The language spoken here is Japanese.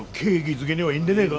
づけにはいいんでねえが？